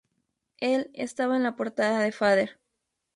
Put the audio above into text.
Él estaba en la portada de Fader.